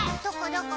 どこ？